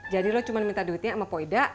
jadi lu cuma minta duitnya sama pak ida